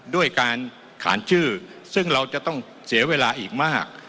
ด้วยการขานชื่อซึ่งเราจะต้องเสียเวลาอีกมาก